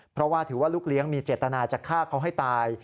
เพราะว่าถือว่าลูกเลี้ยงมีเจตนาจะฆ่าเขาให้ตาย